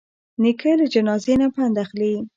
نیکه له جنازې نه پند اخلي.